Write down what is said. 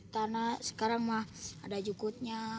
tanah sekarang mah ada jukutnya